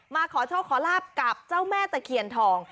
มาขอโชคขอลาบกับเจ้าแม่ตะเคียนทอง